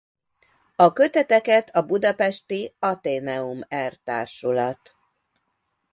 A köteteket a budapesti Athenaeum r.-t.